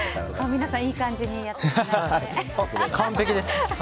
皆さんいい感じにやっていただいて。